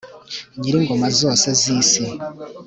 nyiringoma zose z'isi